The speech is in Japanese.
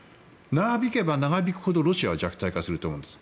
長引けば長引くほど、ロシアは弱体化すると思うんです。